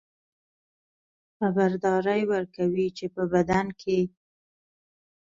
خبرداری ورکوي چې په بدن کې